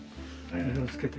色をつけて。